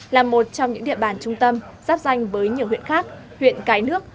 là một trong những địa bàn trung tâm giáp danh với nhiều huyện khác huyện cái nước